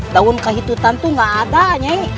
daun kehidupan tuh nggak ada nyai